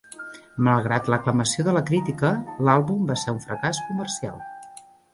Malgrat l'aclamació de la crítica, l'àlbum va ser un fracàs comercial.